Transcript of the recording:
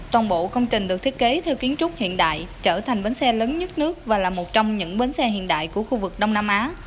toàn bộ công trình được thiết kế theo kiến trúc hiện đại trở thành bến xe lớn nhất nước và là một trong những bến xe hiện đại của khu vực đông nam á